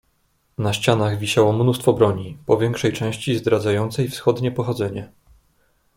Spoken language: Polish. "Na ścianach wisiało mnóstwo broni, po większej części zdradzającej wschodnie pochodzenie."